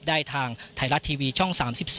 ทางไทยรัฐทีวีช่อง๓๒